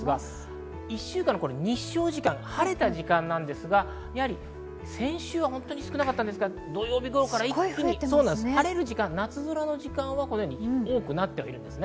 １週間の日照時間、晴れた時間ですが、先週は少なかったんですが、土曜日頃から一気に晴れる時間、夏空の時間は多くなっています。